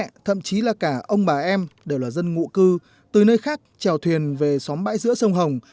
bố mẹ thậm chí là cả ông bà em đều là dân ngụ cư từ nơi khác trèo thuyền về xóm bãi giữa sông hồng